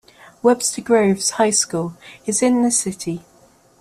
Webster Groves High School is in the city.